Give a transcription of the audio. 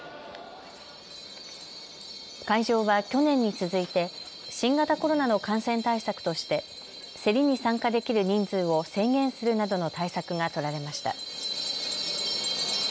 会場は去年に続いて新型コロナの感染対策として競りに参加できる人数を制限するなどの対策が取られました。